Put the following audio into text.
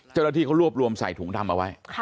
เจ้าหน้าที่เขารวบรวมใส่ถุงดำเอาไว้